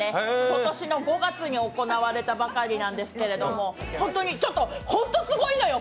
今年の５月に行われたばかりなんですけれどもホントに、ちょっと、ホントすごいのよ